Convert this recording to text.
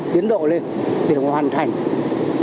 tiến độ lên để mà hoàn thành